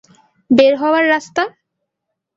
বের হওয়ার রাস্তা?